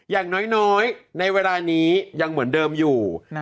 อย่างน้อยในเวลานี้ยังเหมือนเดิมอยู่